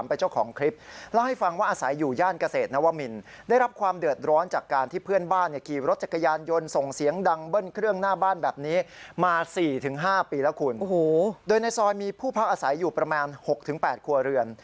๔๕ปีแล้วขุนโดยในซอยมีผู้พักอาศัยอยู่ประมาณ๖๘ครัวเรือน